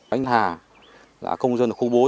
anh hà là công dân khu bốn